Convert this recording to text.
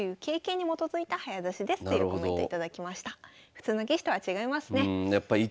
普通の棋士とは違いますね。